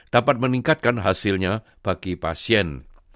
dapat meningkatkan hasilnya bagi pasien